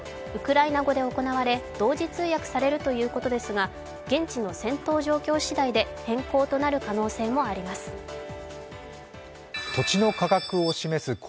ウクライナ語で行われ、同時通訳されるということですが、現地の戦闘状況しだいで変更となる可能性があります。